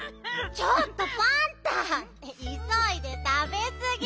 ちょっとパンタいそいでたべすぎ！